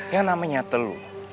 yang namanya telur